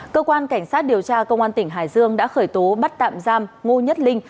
cơ quan cảnh sát điều tra công an tỉnh hải dương đã khởi tố bắt tạm giam ngô nhất linh